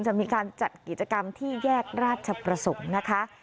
จะมีการจัดกิจกรรมที่แยกราชประสงค์นะคะ